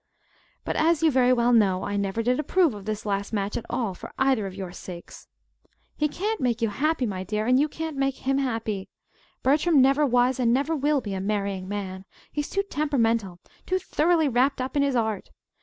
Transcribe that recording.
But, as you very well know, I never did approve of this last match at all, for either of your sakes. "He can't make you happy, my dear, and you can't make him happy. Bertram never was and never will be a marrying man. He's too temperamental too thoroughly wrapped up in his Art.